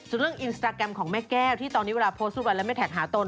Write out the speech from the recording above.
ส่วนเรื่องอินสตาแกรมของแม่แก้วที่ตอนนี้เวลาโพสต์รูปไปแล้วไม่แท็กหาตน